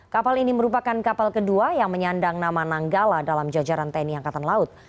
kapal ini merupakan kapal kedua yang menyandang nama nanggala dalam jajaran tni angkatan laut